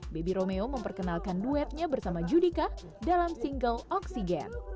baby romeo memperkenalkan duetnya bersama judika dalam single oksigen